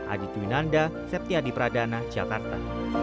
aditya winanda septi adi pradana jakarta